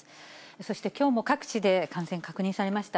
そしてきょうも各地で感染確認されました。